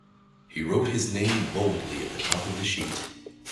He wrote his name boldly at the top of the sheet.